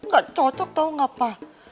gak cocok tau gak apa